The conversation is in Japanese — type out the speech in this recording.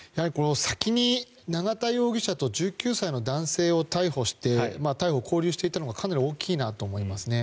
先に永田容疑者と１９歳の男性を逮捕・勾留していたのがかなり大きいなと思いますね。